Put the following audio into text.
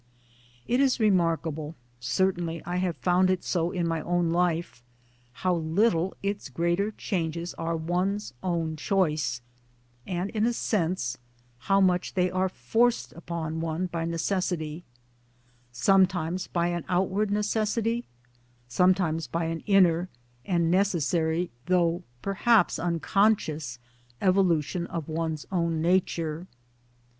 It is remarkable certainly I have found it so in my own life how little its greater changes are one's own choice, and in a sense, how much they are forced upon one by necessity sometimes by an out ward necessity, sometimes by an inner and necessary, though perhaps unconscious evolution of one's own nature.